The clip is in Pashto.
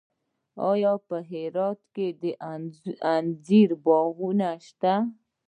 آیا په هرات کې د انځرو باغونه شته؟